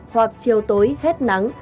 hoặc chiều tối hết nắng